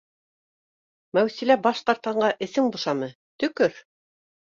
— Мәүсилә баш тартҡанға әсең бошамы? Төкөр